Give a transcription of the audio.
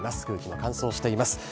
空気も乾燥しています。